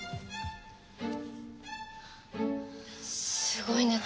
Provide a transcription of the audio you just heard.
すごい熱。